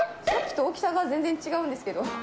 さっきと大きさが全然違うんですけど。